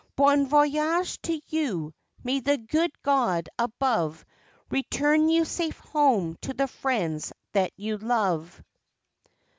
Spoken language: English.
"Bon voyage" to you, may the good God above return you safe home to the friends that you love.